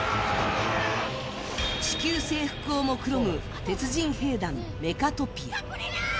地球征服をもくろむ鉄人兵団メカトピア。